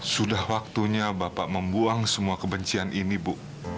sudah waktunya bapak membuang semua kebencian ini bu